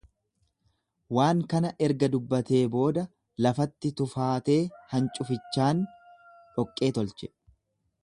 Waan kana erga dubbatee booda lafatti tufaatee, hancuufichaan dhoqqee tolche.